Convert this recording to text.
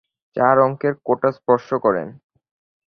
চার অঙ্কের কোটা স্পর্শ করেন।